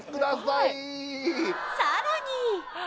さらに！